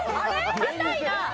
硬いな！